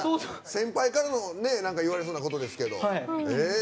先輩から言われそうなことですけど。